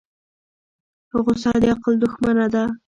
غصه د عقل دښمنه ده.